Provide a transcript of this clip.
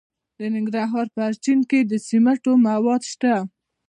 د ننګرهار په اچین کې د سمنټو مواد شته.